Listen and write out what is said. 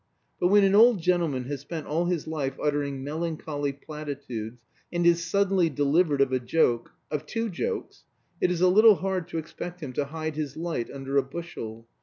But when an old gentleman has spent all his life uttering melancholy platitudes, and is suddenly delivered of a joke of two jokes it is a little hard to expect him to hide his light under a bushel.